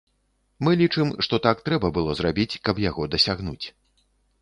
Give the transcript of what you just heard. Мы лічым, што так трэба было зрабіць, каб яго дасягнуць.